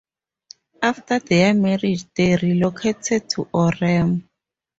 After their marriage, they relocated to Orem.